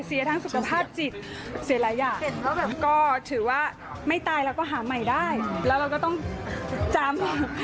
แล้วเราก็ต้องจำ